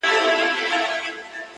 o چي خان ئې، په ياران ئې.